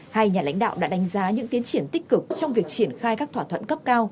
hai nhà lãnh đạo đã đánh giá những tiến triển tích cực trong việc triển khai các thỏa thuận cấp cao